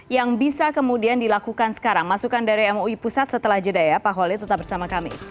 yang bisa kemudian dilakukan sekarang masukan dari mui pusat setelah jeda ya pak holil tetap bersama kami